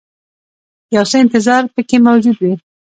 یو څه انتظار پکې موجود وي.